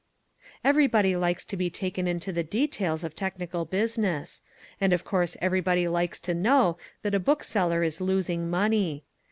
Everybody likes to be taken into the details of technical business; and of course everybody likes to know that a bookseller is losing money.